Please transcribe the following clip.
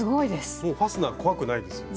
もうファスナー怖くないですよね。